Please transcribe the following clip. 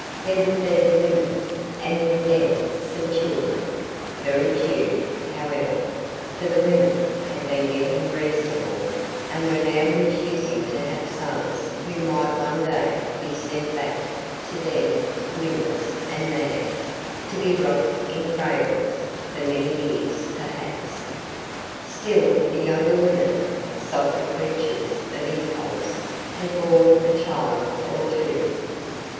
There would be the women, and with them some children; very few, however, for the women had been getting reasonable, and were now refusing to have sons who might one day be sent back to them limbless and mad, to be rocked in cradles for many years, perhaps. Still the younger women, softer creatures of impulse, had borne a child or two.